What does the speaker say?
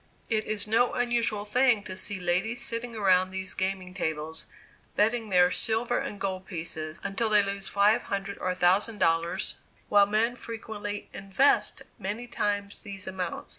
It is no unusual thing to see ladies sitting around these gaming tables, betting their silver and gold pieces, until they lose five hundred or a thousand dollars, while men frequently "invest" many times these amounts.